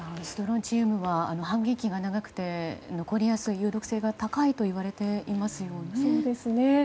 ストロンチウムは半減期が長くて残りやすい、有毒性が高いといわれていますよね。